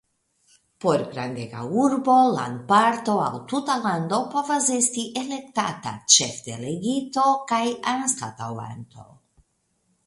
Por grandega urbo, landparto aŭ tuta lando povas esti elektata Ĉefdelegito kaj anstataŭanto.